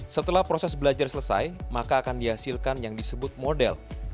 setelah proses belajar selesai maka akan dihasilkan yang disebut model